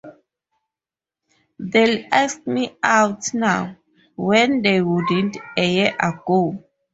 They'll ask me out now, when they wouldn't a year ago.